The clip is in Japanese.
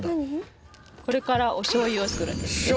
これからおしょうゆを作るんですけど。